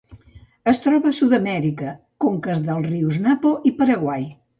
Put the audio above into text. Es troba a Sud-amèrica: conques dels rius Napo i Paraguai.